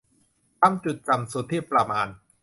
ทำจุดต่ำสุดที่ประมาณ